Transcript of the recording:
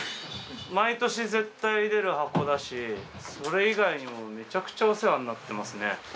毎年絶対出る箱だしそれ以外にもめちゃくちゃお世話になってますね。